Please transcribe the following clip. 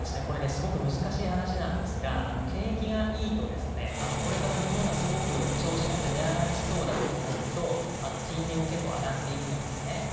これすごく難しい話なんですが景気がいいと、これからものがすごく調子がよくて値上がりしそうだと思うと金利も結構上がっていくんですね。